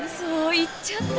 行っちゃった！